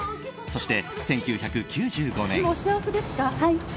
そして、１９９５年。